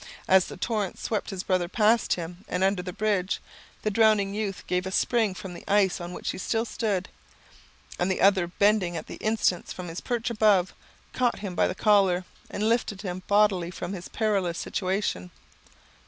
As the torrent swept his brother past him and under the bridge, the drowning youth gave a spring from the ice on which he still stood, and the other bending at the instant from his perch above, caught him by the collar, and lifted him bodily from his perilous situation.